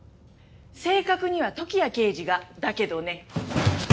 正確には時矢刑事がだけどね。